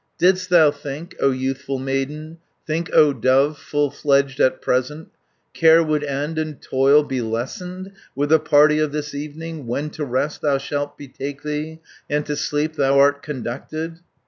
"Didst thou think, O youthful maiden, Think, O dove, full fledged at present, Care would end and toil be lessened, With the party of this evening, When to rest thou shalt betake thee, And to sleep thou art conducted?